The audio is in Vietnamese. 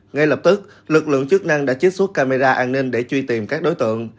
ngay lập tức lực lượng chức năng đã chiết xuất camera an ninh để truy tìm các đối tượng